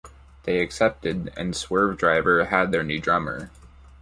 They accepted and Swervedriver had their new drummer.